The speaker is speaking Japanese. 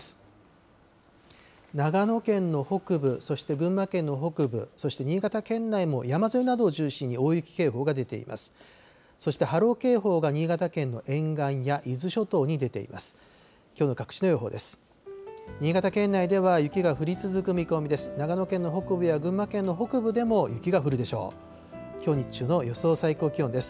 そして波浪警報が新潟県の沿岸や伊豆諸島に出ています。